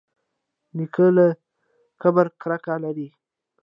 نیکه له کبره کرکه لري.